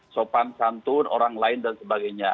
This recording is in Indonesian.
sopan santun orang lain dan sebagainya